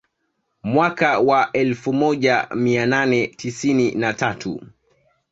Mwaka wa elfu moja mia nane tisini na tatu